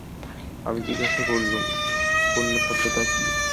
আমি জিজ্ঞাসা করলুম, অন্য সত্যটা কী?